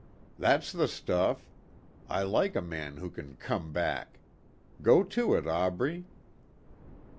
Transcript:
"That's the stuff. I like a man who can come back. Go to it, Aubrey."